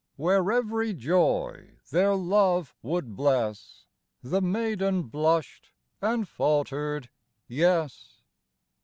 Where ev'iy joy their love would bless : The maiden blushed, and faltered, " Yes."